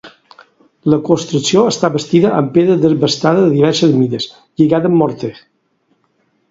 La construcció està bastida amb pedra desbastada de diverses mides, lligada amb morter.